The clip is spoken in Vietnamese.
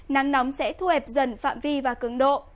nắng nóng sẽ thu hẹp dần phạm vi và cứng độ